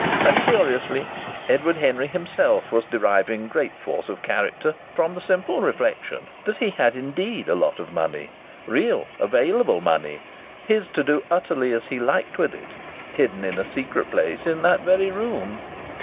... And, curiously, Edward Henry himself was deriving great force of character from the simple reflection that he had indeed a lot of money, real available money, his to do utterly as he liked with it, hidden in a secret place in that very room.